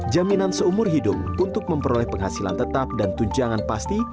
jaminan seumur hidup untuk memperoleh penghasilan tetap dan tunjangan pasti